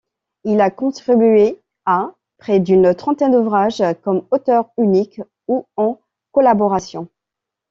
Il a contribué à près d'une trentaine d'ouvrages, comme auteur unique ou en collaboration.